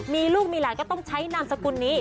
มีลูกมีหลานก็ต้องใช้นามสกุลนี้